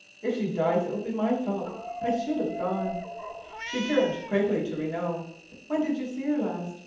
If she dies it will be my fault. I should have gone." She turned quickly to Renault. "When did you see her last?"